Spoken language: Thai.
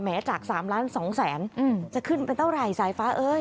จาก๓ล้าน๒แสนจะขึ้นไปเท่าไหร่สายฟ้าเอ้ย